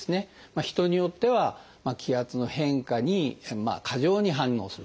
人によっては気圧の変化に過剰に反応する。